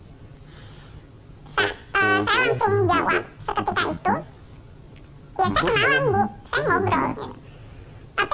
saya langsung jawab seketika itu ya saya kenalan bu saya ngobrol gitu